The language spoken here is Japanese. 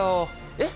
えっ？